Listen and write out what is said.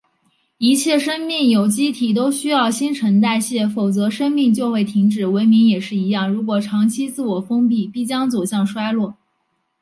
一切生命有机体都需要新陈代谢，否则生命就会停止。文明也是一样，如果长期自我封闭，必将走向衰落。